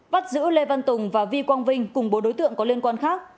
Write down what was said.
bắt giữ lê văn tùng và vi quang vinh cùng bốn đối tượng có liên quan khác